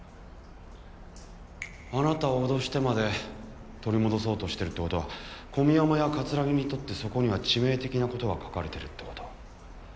あなたを脅してまで取り戻そうとしてるってことは小宮山や葛城にとってそこには致命的なことが書かれてるってこと。